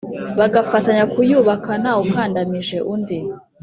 bagafatanya kuyubaka ntawukandamije undi.